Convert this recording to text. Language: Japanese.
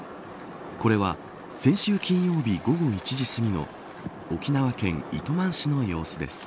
これは、先週金曜日午後１時すぎの沖縄県糸満市の様子です。